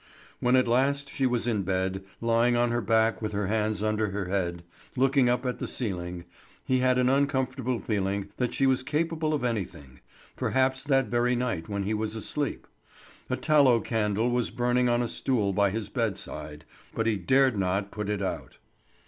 When at last she was in bed, lying on her back with her hands under her head, looking up at the ceiling, he had an uncomfortable feeling that she was capable of anything, perhaps that very night when he was asleep. A tallow candle was burning on a stool by his bedside, but he dared not put it out.